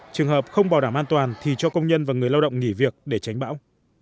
trường hợp không bảo đảm an toàn thì cho công nhân và người lao động nghỉ việc để tránh bão